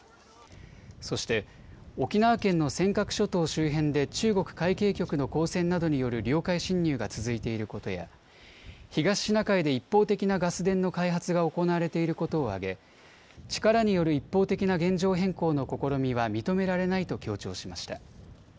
そして沖縄県の尖閣諸島周辺で中国海警局の公船などによる領海侵入が続いていることや東シナ海で一方的なガス田の開発が行われていることを挙げ力による一方的な現状変更の試みは認められないと強調しました。